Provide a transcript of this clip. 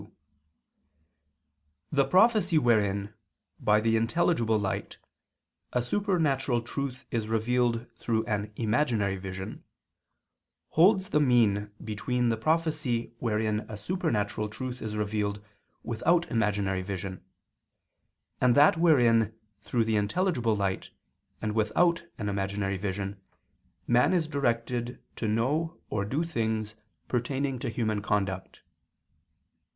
2), the prophecy wherein, by the intelligible light, a supernatural truth is revealed through an imaginary vision, holds the mean between the prophecy wherein a supernatural truth is revealed without imaginary vision, and that wherein through the intelligible light and without an imaginary vision, man is directed to know or do things pertaining to human conduct.